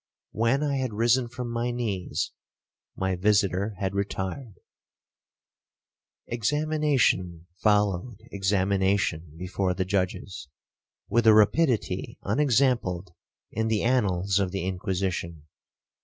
When I had risen from my knees, my visitor had retired. 'Examination followed examination before the judges, with a rapidity unexampled in the annals of the Inquisition.